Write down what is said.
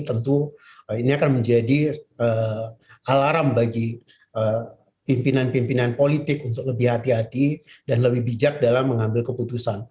tentu ini akan menjadi alarm bagi pimpinan pimpinan politik untuk lebih hati hati dan lebih bijak dalam mengambil keputusan